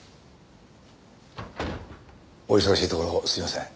お忙しいところすいません。